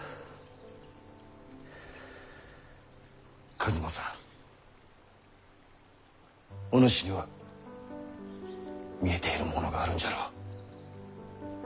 数正お主には見えているものがあるんじゃろう？